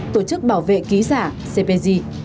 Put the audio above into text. tổ chức bảo vệ ký giả cpg